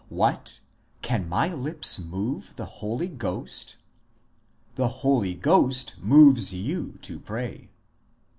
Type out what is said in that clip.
" What I can my lips move the Holy Ghost ?"" The Holy Ghost moves you to pray."